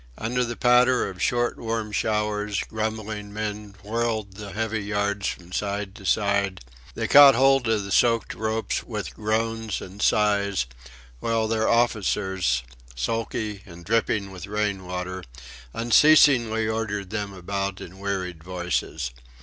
Under the patter of short warm showers, grumbling men whirled the heavy yards from side to side; they caught hold of the soaked ropes with groans and sighs, while their officers, sulky and dripping with rain water, unceasingly ordered them about in wearied voices.